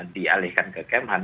dialihkan ke kementerian pertahanan